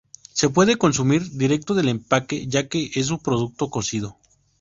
Se puede consumir directo del empaque ya que es un producto cocido.